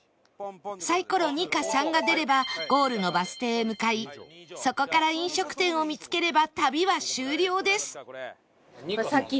サイコロ２か３が出ればゴールのバス停へ向かいそこから飲食店を見つければ旅は終了です